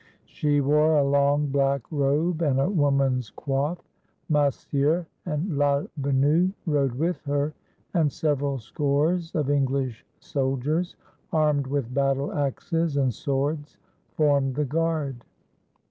She wore a long black robe and a woman's coif; Massieu and Ladvenu rode with her, and several scores of English soldiers, armed with battle axes and swords, formed the guard.